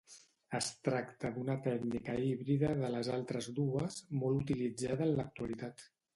Es tracta d'una tècnica híbrida de les altres dues, molt utilitzada en l'actualitat.